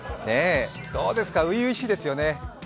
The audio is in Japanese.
どうですか、初々しいですよね。